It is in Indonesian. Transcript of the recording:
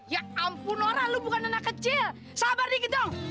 ya ampun orang lu bukan anak kecil sabar dikit dong